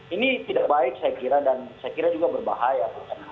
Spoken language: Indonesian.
ini tidak baik saya kira dan saya kira juga berbahaya